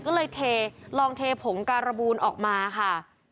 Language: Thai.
ก็เลยเทลองเทผงการบูลออกมาค่ะ